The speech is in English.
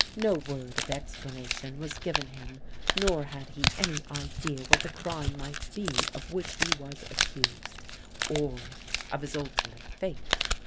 No word of explanation was given him; nor had he any idea what the crime might be of which he was accused, or of his ultimate fate.